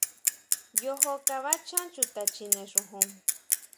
Yojo kabachan chuta chjine xojon.